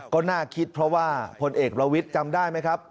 ก็น่าคิดเพราะว่าพลเอกประวิทย์จำได้ไหมครับ